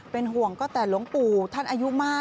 เป็นห่วงก็แต่หลวงปู่ท่านอายุมาก